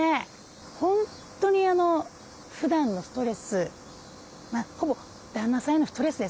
本当にふだんのストレスほぼ旦那さんへのストレスですね